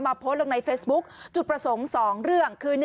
โพสต์ลงในเฟซบุ๊คจุดประสงค์๒เรื่องคือ